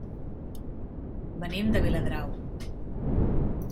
Venim de Viladrau.